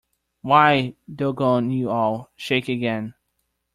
Why, doggone you all, shake again.